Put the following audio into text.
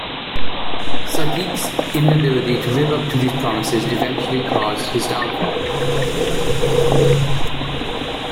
Sadiq's inability to live up to these promises eventually caused his downfall.